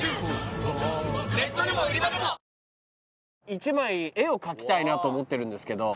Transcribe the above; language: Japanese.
１枚絵を描きたいなと思ってるんですけど。